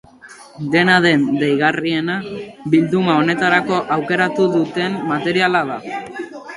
Dena den, deigarriena bilduma honetarako aukeratu duten materiala da.